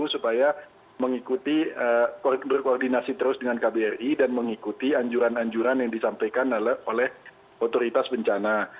supaya mengikuti berkoordinasi terus dengan kbri dan mengikuti anjuran anjuran yang disampaikan oleh otoritas bencana